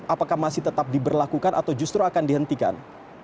apakah masih tetap diberlakukan atau justru akan dihentikan